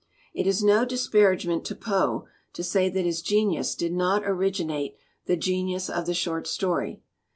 "It is no disparagement to Poe to say that his genius did not originate the genius of the short story.